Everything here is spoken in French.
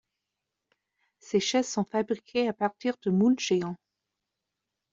Ces chaises sont fabriquées à partir de moules géants.